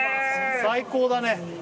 最高だね。